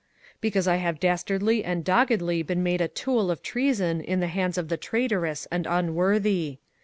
"Because I have dastardly and doggedly been made a tool of treason in the hands of the traitoress and unworthy!